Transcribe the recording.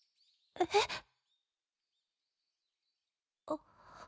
えっ？あっ。